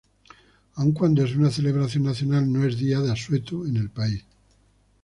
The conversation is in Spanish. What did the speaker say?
Aun cuando es una celebración nacional no es día de asueto en el país.